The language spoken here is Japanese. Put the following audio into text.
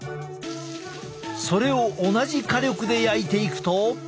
それを同じ火力で焼いていくと。